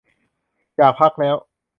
อยากพักแล้ว